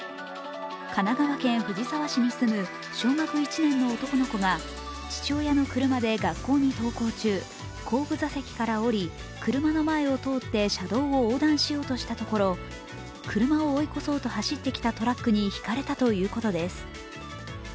神奈川県藤沢市に住む小学１年の男の子が父親の車で学校に登校中、後部座席から降り車の前を通って車道を横断しようとしたところ車を追い越そうと走ってきたトラックにひかれたということです。